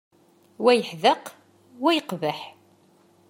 Wa yeḥdeq wa yeqbeḥ.